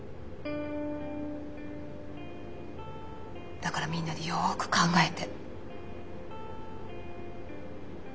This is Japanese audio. だからみんなでよく考えて。